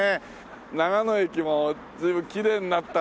長野駅も随分きれいになったんだろうね。